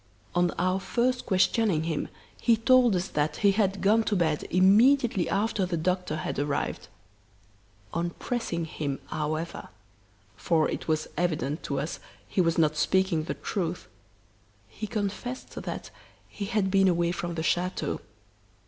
"On our first questioning him he told us that he had gone to bed immediately after the doctor had arrived. On pressing him, however, for it was evident to us he was not speaking the truth, he confessed that he had been away from the chateau.